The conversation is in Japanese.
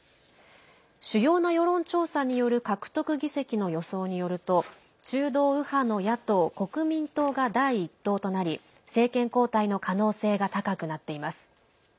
主要な世論調査による獲得議席の予想によると中道右派の野党・国民党が第１党となり政権交代の可能性が高くなっています。